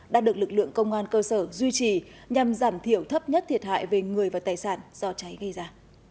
đã được lực lượng công an cơ sở duy trì nhằm giảm thiểu thấp nhất thiệt hại về người và tài sản do cháy gây ra